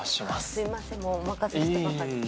すいませんお任せしてばかりで。